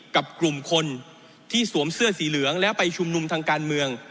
กับกลุ่มคนที่สวมเสื้อสีเหลืองแล้วไปชุมนุมทางการเมือง